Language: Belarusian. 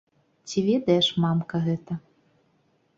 Ці ведаеш, мамка, гэта?